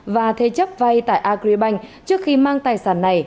và thế chấp vay tại agribank trước khi mang tài sản này